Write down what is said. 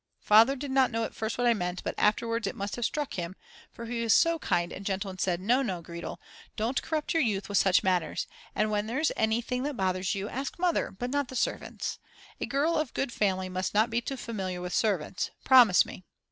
Father did not know at first what I meant, but afterwards it must have struck him, for he was so kind and gentle, and said: "No, no, Gretel, don't corrupt your youth with such matters, and when there's anything that bothers you, ask Mother, but not the servants. A girl of good family must not be too familiar with servants. Promise me."